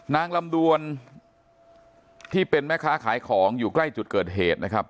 นางลำดวนที่เป็นแม่ค้าขายของอยู่ใกล้จุดเกิดเหตุนะครับ